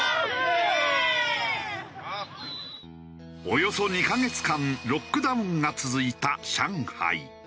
およそ２カ月間ロックダウンが続いた上海。